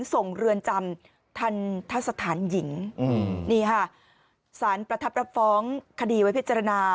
ส่งเรือนจำทัณฑ์สถานหญิงสารประทัพมาฟ้องคดีไว้พิจารณา